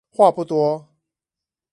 話不多